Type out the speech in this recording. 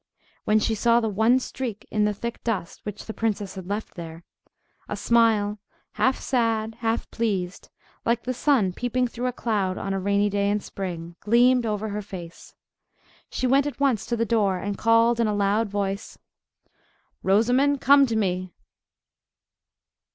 When she saw the one streak in the thick dust which the princess had left there, a smile, half sad, half pleased, like the sun peeping through a cloud on a rainy day in spring, gleamed over her face. She went at once to the door, and called in a loud voice, "Rosamond, come to me."